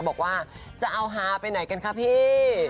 บอกว่าจะเอาฮาไปไหนกันคะพี่